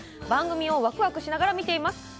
番組をわくわくしながら見ています。